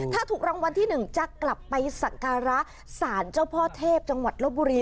ถ้าถูกรางวัลที่๑จะกลับไปสักการะสารเจ้าพ่อเทพจังหวัดลบบุรี